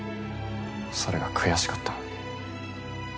それが悔しかった。